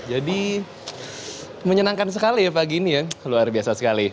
jadi menyenangkan sekali ya pagi ini ya luar biasa sekali